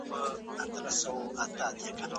سالم ذهن روغتیا نه دروي.